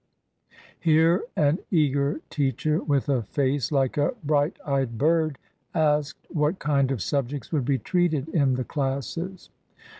Here an eager teacher with a face like a bright eyed bird asked what kind of subjects would be treated in the classes.